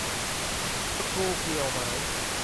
สกรูเกลียวไม้